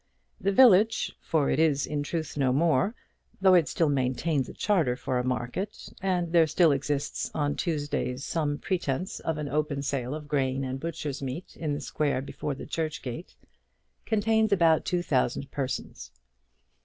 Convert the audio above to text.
The village, for it is in truth no more, though it still maintains a charter for a market, and there still exists on Tuesdays some pretence of an open sale of grain and butcher's meat in the square before the church gate, contains about two thousand persons.